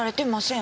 ん？